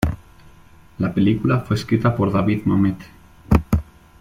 La película fue escrita por David Mamet.